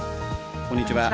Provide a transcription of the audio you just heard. こんにちは。